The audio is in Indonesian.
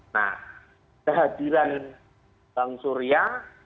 nah kehadiran bang surya